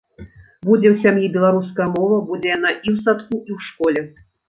Будзе ў сям'і беларуская мова, будзе яна і ў садку, і ў школе.